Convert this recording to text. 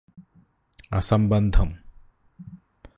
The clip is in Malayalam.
അസംബന്ധം